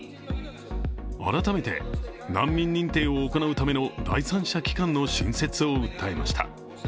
改めて難民認定を行うための第三者機関の新設を訴えました。